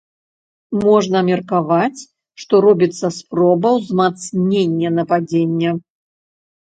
Можна меркаваць, што робіцца спроба ўзмацнення нападзення.